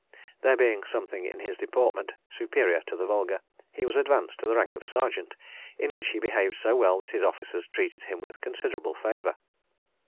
There being something in his deportment superior to the vulgar, he was advanced to the rank of sergeant, in which he behaved so well that his officers treated him with considerable favour.